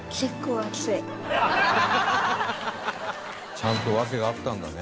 「ちゃんと訳があったんだね」